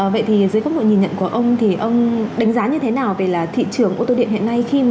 vậy thì dưới góc độ nhìn nhận của ông thì ông đánh giá như thế nào về là thị trường ô tô điện hiện nay